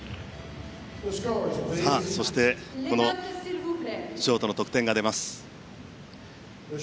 そして、ショートの得点が出ます。